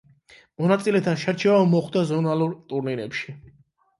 მონაწილეთა შერჩევა მოხდა ზონალურ ტურნირებში.